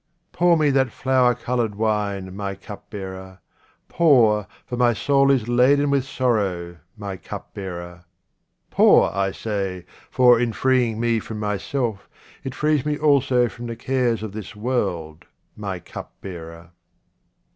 Pour me that flower coloured wine, my cup bearer ; pour, for my soul is laden with sorrow, my cupbearer ; pour, I say, for, in freeing me from myself, it frees me also from the cares of this world, my cupbearer.